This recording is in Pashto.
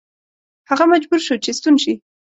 هغه مجبور شو چې ستون شي.